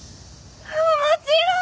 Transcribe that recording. もちろん！